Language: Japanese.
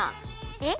えっ？